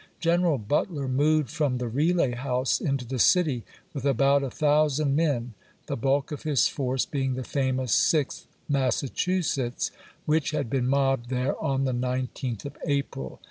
General Butler moved from the Relay House into the city with about a thousand men, the bulk of his force being the famous Sixth Massachusetts which had been mobbed there on the 19th of April.